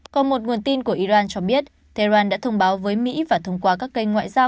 còn một nguồn tin của iran cho biết tehran đã thông báo với mỹ và thông qua các kênh ngoại giao